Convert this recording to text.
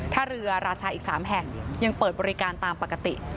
ถ้าเรือราชาอีก๓แห่งยังเปิดบริการตามปกติ